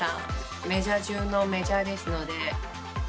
メジャー中のメジャーですので。